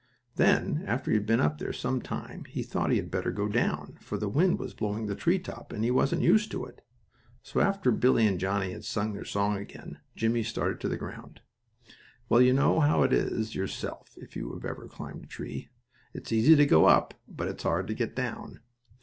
Then, after he had been up there some time, he thought he had better go down, for the wind was blowing the treetop, and he wasn't used to it. So, after Billie and Johnnie had sung their song again, Jimmie started for the ground. Well, you know how it is yourself, if you have ever climbed a tree. It's easy to go up, but it's hard to get down.